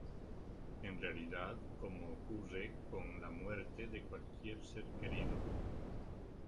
En realidad, como ocurre con la muerte de cualquier ser querido.